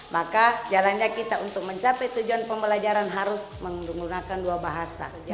maka jalannya kita untuk mencapai tujuan pembelajaran harus menggunakan dua bahasa